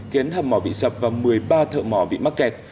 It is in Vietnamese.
khiến hầm mỏ bị sập và một mươi ba thợ mỏ bị mắc kẹt